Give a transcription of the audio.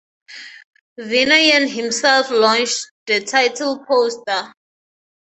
Vinayan himself launched the title poster.